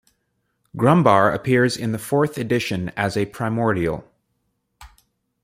Grumbar appears in the fourth edition as a primordial.